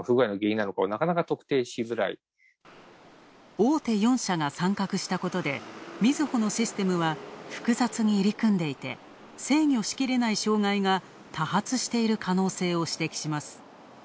大手４社参画したことで、みずほのシステムは複雑に入り組んでいて制御しきれない障害が多発している可能性を指摘します。